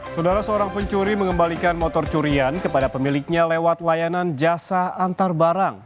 saudara seorang pencuri mengembalikan motor curian kepada pemiliknya lewat layanan jasa antar barang